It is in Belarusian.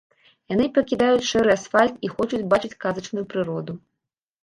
Яны пакідаюць шэры асфальт і хочуць бачыць казачную прыроду.